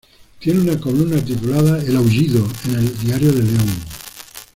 Tiene una columna titulada "El aullido" en el "Diario de León".